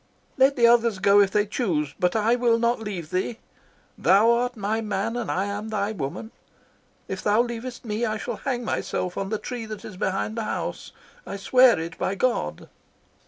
"Let the others go if they choose, but I will not leave thee. Thou art my man and I am thy woman. If thou leavest me I shall hang myself on the tree that is behind the house. I swear it by God."